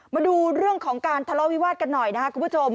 มาดูเรื่องของการทะเลาะวิวาสกันหน่อยนะครับคุณผู้ชม